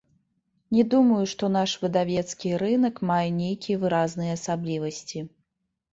Не думаю, што наш выдавецкі рынак мае нейкія выразныя асаблівасці.